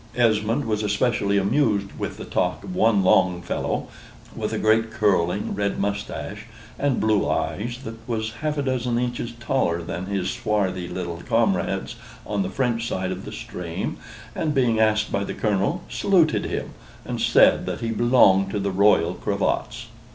Esmond was especially amused with the talk of one long fellow, with a great curling red moustache, and blue eyes, that was half a dozen inches taller than his swarthy little comrades on the French side of the stream, and being asked by the Colonel, saluted him, and said that he belonged to the Royal Cravats.